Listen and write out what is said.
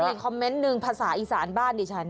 มีคอมเมนต์หนึ่งภาษาอีสานบ้านดิฉัน